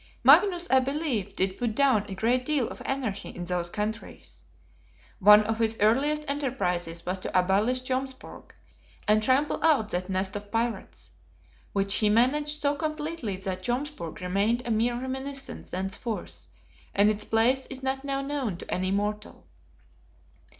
Magnus, I believe, did put down a great deal of anarchy in those countries. One of his earliest enterprises was to abolish Jomsburg, and trample out that nest of pirates. Which he managed so completely that Jomsburg remained a mere reminiscence thenceforth; and its place is not now known to any mortal.